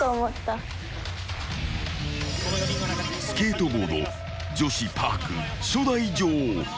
［スケートボード女子パーク初代女王。